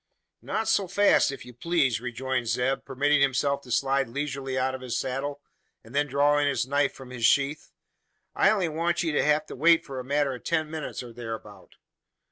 "Not so fast, if you pleeze," rejoined Zeb, permitting himself to slide leisurely out of his saddle, and then drawing his knife from his sheath. "I'll only want ye to wait for a matter o' ten minutes, or thereabout."